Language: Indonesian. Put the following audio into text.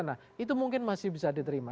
nah itu mungkin masih bisa diterima